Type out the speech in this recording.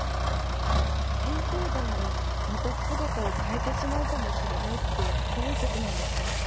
変成岩がまた姿を変えてしまうかもしれないってどういうことなんですか？